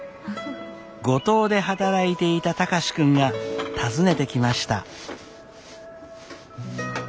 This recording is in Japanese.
五島で働いていた貴司君が訪ねてきました。